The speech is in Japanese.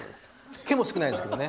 毛も少ないですけどね！